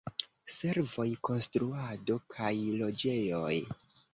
Servoj, konstruado kaj loĝejoj.